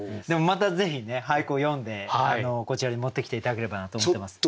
またぜひね俳句を詠んでこちらに持ってきて頂ければなと思ってます。